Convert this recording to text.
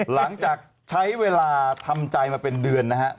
หลังจากใช้เวลาทำใจมาเป็นเดือนนะฮะ